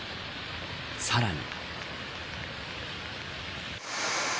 さらに。